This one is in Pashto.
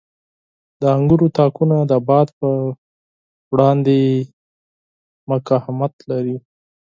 • د انګورو تاکونه د باد په وړاندې مقاومت لري.